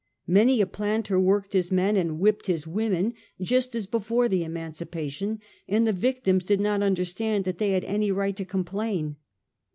Many a planter worked bis men and whipped bis women just as before tbe emancipation, and tbe victims did not understand tbat they bad any right to complain.